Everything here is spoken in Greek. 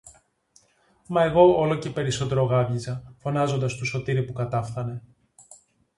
Μα εγώ όλο και περισσότερο γάβγιζα, φωνάζοντας του Σωτήρη που κατάφθανε: